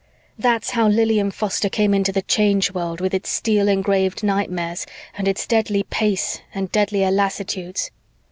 "That's how Lilian Foster came into the Change World with its steel engraved nightmares and its deadly pace and deadlier lassitudes.